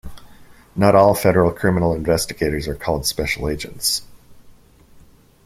Not all federal criminal investigators are called special agents.